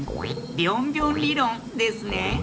ビョンビョンりろんですね。